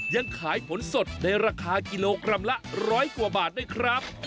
ยังขายผลสดในราคากิโลกรัมละร้อยกว่าบาทด้วยครับ